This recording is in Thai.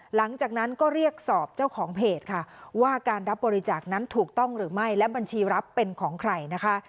หลังจากนั้นก็เรียกสอบเจ้าของเพจค่ะว่าการรับบริจาคนั้นถูกต้องหรือไม่และบัญชีรับเป็นของใครนะคะ